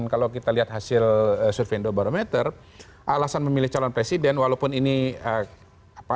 kalau kita lihat hasil survei indobarometer alasan memilih calon presiden walaupun ini apa